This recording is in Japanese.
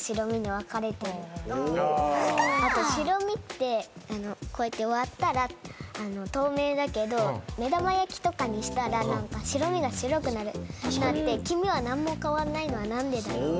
あと白身ってこうやって割ったら透明だけど目玉焼きとかにしたら白身が白くなって黄身は何も変わんないのは何でだろう？